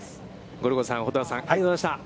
ゴルゴさん、蛍原さん、ありがとうございました。